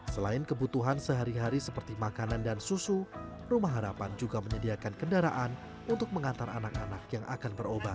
selain kebutuhan sehari hari seperti makanan dan susu rumah harapan juga menyediakan kendaraan untuk mengantar anak anak yang akan berobat